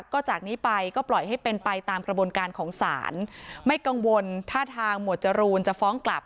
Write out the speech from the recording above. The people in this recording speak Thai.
ก็จากนี้ไปก็ปล่อยให้เป็นไปตามกระบวนการของศาลไม่กังวลท่าทางหมวดจรูนจะฟ้องกลับ